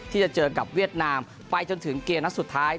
ที่จะเจอกับเวียดนามไปจนถึงเกมนัดสุดท้าย